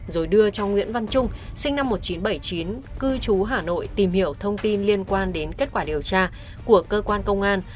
rồi đưa cho nguyễn văn trung sinh năm một nghìn chín trăm bảy mươi chín cư trú hà nội tìm hiểu thông tin liên quan đến kết quả điều tra của cơ quan công an